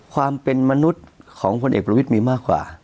ความเป็นมนุษย์ของพลเอกประวิทย์มีมากกว่า